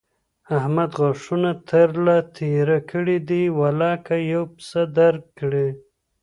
احمد غاښونه تر له تېر کړي دي؛ ولاکه يوه پيسه در کړي.